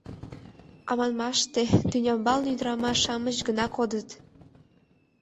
А манмаште, тӱнямбалне ӱдырамаш-шамыч гына кодыт?..